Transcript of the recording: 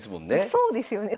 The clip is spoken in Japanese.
そうですよね。